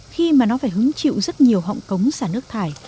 khi mà nó phải hứng chịu rất nhiều họng cống xả nước thải